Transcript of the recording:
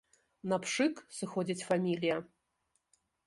На пшык сыходзіць фамілія.